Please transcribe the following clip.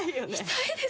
痛いです。